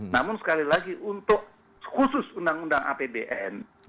namun sekali lagi untuk khusus undang undang apbn